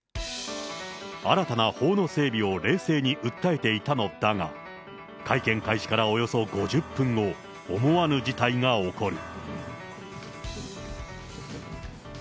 新たな法の整備を冷静に訴えていたのだが、会見開始からおよそ５０分後、思わぬ事態が起こる。